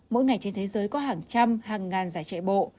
mỗi ngày trên thế giới có hàng trăm hàng ngàn giải chạy bộ